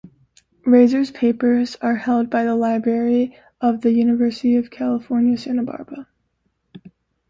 Raysor's papers are held by the library of the University of California Santa Barbara.